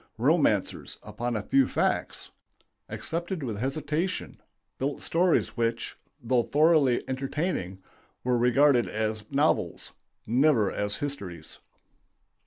Romancers, upon a few facts, accepted with hesitation, built stories which, though thoroughly entertaining, were regarded as novels, never as histories.